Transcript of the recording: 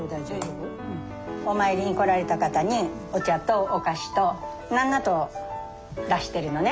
お参りに来られた方にお茶とお菓子と何なと出してるのね